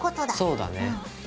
そうだね。